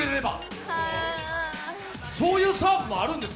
そういうサーブでもあるんですか？